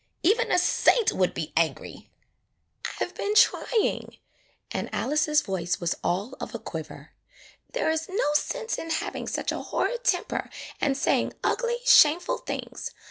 Even a saint would be angry !" "I 've been trying," and Alice's voice was all "They had a delightful talk " of a quiver. "There is no sense in having such a horrid temper and saying ugly, shameful things.